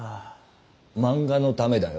漫画のためだよ。